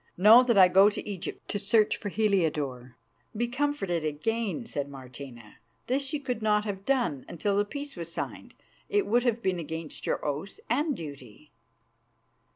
Know that I go to Egypt to search for Heliodore." "Be comforted again," said Martina. "This you could not have done until the peace was signed; it would have been against your oath and duty."